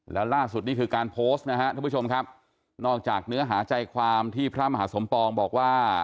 แล้วล่าสุดนี่คือการโพสต์นะฮะท่านผู้ชมครับนอกจากเนื้อหาใจความที่พระมหาสมปองบอกว่า